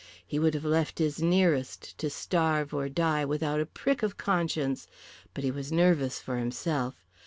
He would have left his nearest to starve or die without a prick of conscience, but he was nervous for himself.